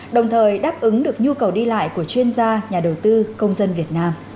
đồng thời đáp ứng được nhu cầu đi lại của chuyên gia nhà đầu tư công dân việt nam